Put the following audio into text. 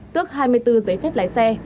tước hai mươi bốn giấy phép lái xe